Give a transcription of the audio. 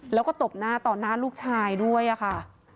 แล้วก็ตบหน้าต่อหน้าลูกชายด้วยค่ะ